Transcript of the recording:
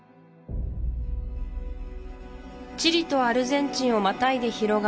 チリとアルゼンチンをまたいで広がる